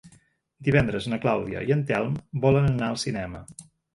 Divendres na Clàudia i en Telm volen anar al cinema.